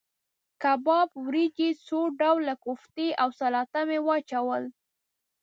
کباب، وریجې، څو ډوله کوفتې او سلاته مې واچول.